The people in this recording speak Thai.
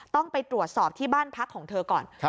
ต้องไปตรวจสอบที่บ้านพักของเธอก่อน